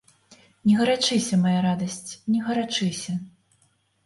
Не гарачыся, мая радасць, не гарачыся.